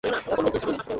তার কোনো অস্তিত্বই নেই!